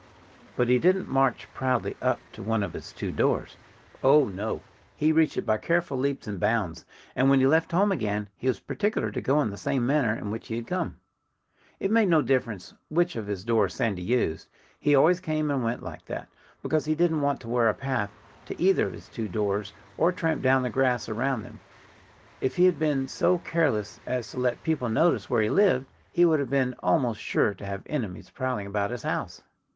But he didn't march proudly up to one of his two doors. Oh, no! He reached it by careful leaps and bounds. And when he left home again he was particular to go in the same manner in which he had come. It made no difference which of his doors Sandy used. He always came and went like that, because he didn't want to wear a path to either of his two doors or tramp down the grass around them. If he had been so careless as to let people notice where he lived he would have been almost sure to have enemies prowling about his house.